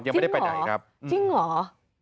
ยังไม่ได้ไปไหนครับอืมจริงเหรอจริงเหรอ